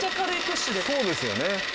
そうですよね。